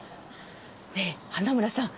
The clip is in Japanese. ねえ花村さん